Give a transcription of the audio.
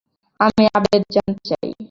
আমি আপডেট জানতে চাই।